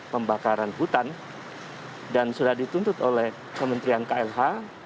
pembakaran hutan dan sudah dituntut oleh kementerian klh